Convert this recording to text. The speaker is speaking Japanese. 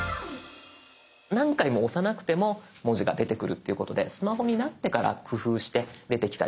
何回も押さなくても文字が出てくるっていうことでスマホになってから工夫して出てきた入力方式です。